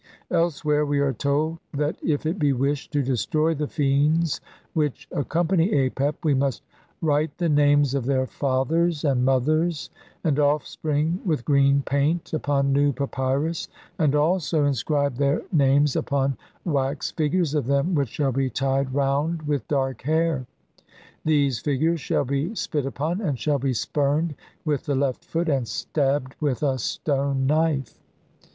Elsewhere we are told that if it be wished to destroy the fiends which ac company Apep we must "write the names of their "fathers, and mothers, and offspring with green paint "upon new papyrus, and also inscribe their names "upon wax figures of them which shall be tied round "with dark hair. These figures shall be spit upon, and "shall be spurned with the left foot and stabbed with "a stone knife."